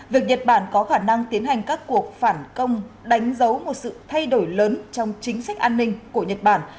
việc nhật bản có khả năng tiến hành các cuộc phản công đánh dấu một sự thay đổi lớn trong chính sách an ninh của nhật bản